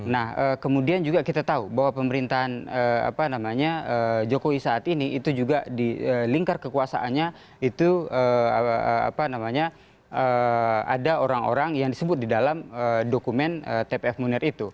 nah kemudian juga kita tahu bahwa pemerintahan jokowi saat ini itu juga di lingkar kekuasaannya itu ada orang orang yang disebut di dalam dokumen tpf munir itu